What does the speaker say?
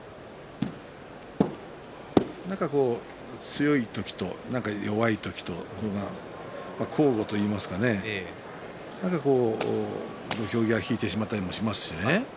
何か強い時と、何か弱い時と交互といいますか土俵際、引いてしまったりもしますしね。